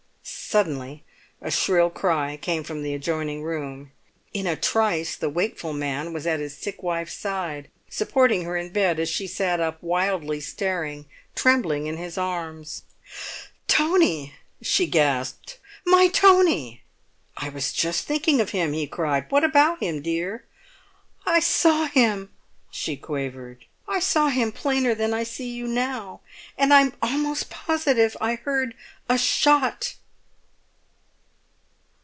Suddenly a shrill cry came from the adjoining room. In a trice the wakeful man was at his sick wife's side, supporting her in bed as she sat up wildly staring, trembling in his arms. "Tony!" she gasped. "My Tony!" "I was just thinking of him!" he cried. "What about him, dear?" "I saw him," she quavered. "I saw him plainer than I see you now. And I'm almost positive I heard—a shot!"